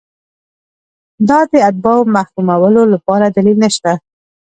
دا د اتباعو محرومولو لپاره دلیل نشته.